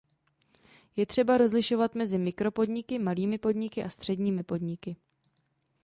Je třeba rozlišovat mezi mikropodniky, malými podniky a středními podniky.